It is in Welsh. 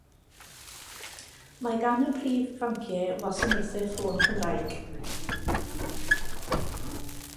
Mae gan y prif banciau wasanaethau ffôn Cymraeg.